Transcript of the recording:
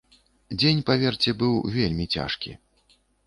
Дзень, паверце, быў вельмі цяжкі.